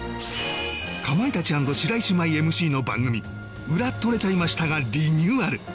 かまいたち＆白石麻衣 ＭＣ の番組『ウラ撮れちゃいました』がリニューアル